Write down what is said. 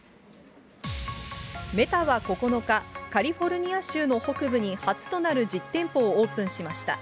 メタは９日、カリフォルニア州の北部に初となる実店舗をオープンしました。